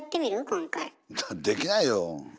今回。できないよ。